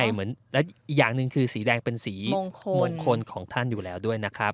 เหมือนแล้วอีกอย่างหนึ่งคือสีแดงเป็นสีมงคลของท่านอยู่แล้วด้วยนะครับ